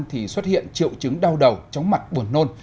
thì xuất hiện triệu chứng đau đầu chóng mặt buồn nôn